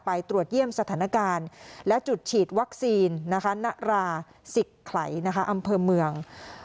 ไปตรวจเยี่ยมสถานการณ์และจุดฉีดวัคซีนณราศิกไขอำเภอเมือง